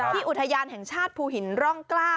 อุทยานแห่งชาติภูหินร่องกล้า